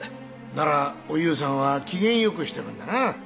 ならお夕さんは機嫌よくしてるんだな。